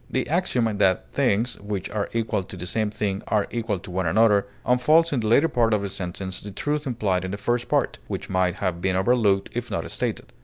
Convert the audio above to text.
The axiom that "things which are equal to the same thing are equal to one another" unfolds in the latter part of the sentence the truth implied in the first part, which might have been overlooked if not stated.